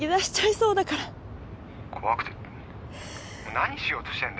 何しようとしてんだよ！？